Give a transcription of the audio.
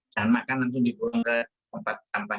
jangan makan langsung dibuang ke tempat sampah